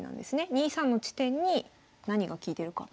２三の地点に何が利いてるかと。